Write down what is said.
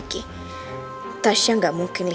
kamu jangan takut lagi